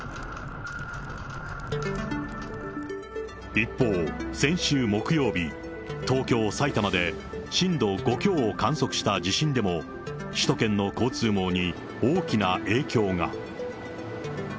一方、先週木曜日、東京、埼玉で震度５強を観測した地震でも、首都圏の交通網に大きな影響が。